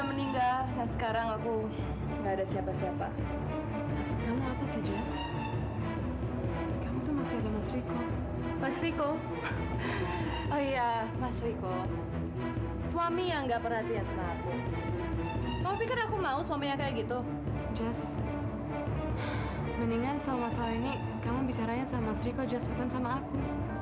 mendingan soal masalah ini kamu bisa raya sama sriko just bukan sama aku